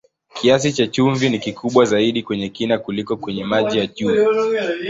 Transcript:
Kiasi cha chumvi ni kikubwa zaidi kwenye kina kuliko kwenye maji ya juu.